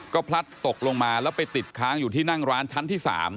ก็พลัดตกลงมาแล้วไปติดค้างอยู่ที่นั่งร้านชั้นที่๓